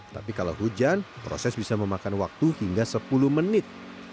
tapi kalau hujan proses bisa memakan waktu hingga sepuluh menit